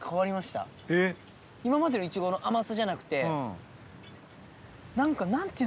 今までのイチゴの甘さじゃなくて何か。